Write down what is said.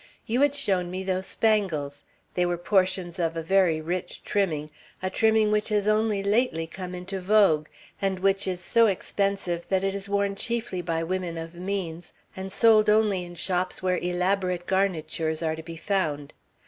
You had shown me those spangles. They were portions of a very rich trimming; a trimming which has only lately come into vogue, and which is so expensive that it is worn chiefly by women of means, and sold only in shops where elaborate garnitures are to be found.